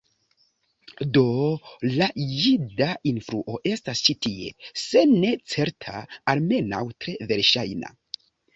Do la jida influo estas ĉi tie, se ne certa, almenaŭ tre verŝajna.